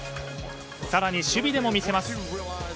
更に、守備でも見せます。